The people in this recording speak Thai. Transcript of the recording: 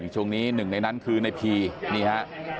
ช่วงนี้หนึ่งในนั้นคือในพีนี่ฮะ